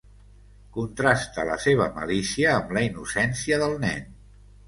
Contrasta la seva malícia amb la innocència del nen.